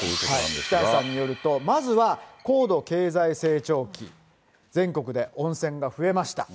北橋さんによると、まずは高度経済成長期、全国で温泉が増えました。